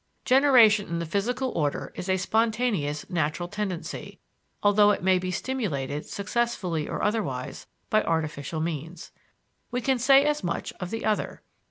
Generation in the physical order is a spontaneous, natural tendency, although it may be stimulated, successfully or otherwise, by artificial means. We can say as much of the other.